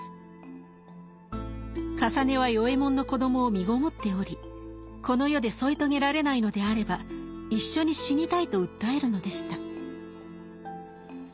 かさねは与右衛門の子供をみごもっておりこの世で添い遂げられないのであれば一緒に死にたいと訴えるのでした。